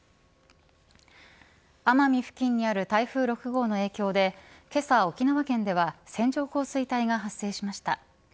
奄美付近にある台風６号の影響でけさ、沖縄県では線状降水帯が発生しました。